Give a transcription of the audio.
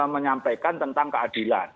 menyampaikan tentang keadilan